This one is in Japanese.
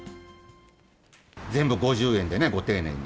全部５０円でね、ご丁寧に。